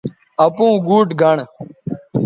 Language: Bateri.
اپوں گوٹھ گنڑ